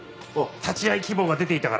立ち会い希望が出ていたから。